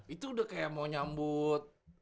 itu udah kayak mau nyambut